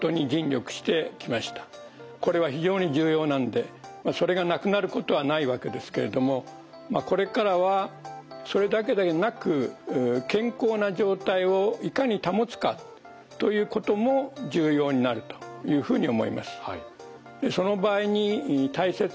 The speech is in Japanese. これは非常に重要なのでそれがなくなることはないわけですけれどもこれからはそれだけでなく健康な状態をいかに保つかということも重要になるというふうに思います。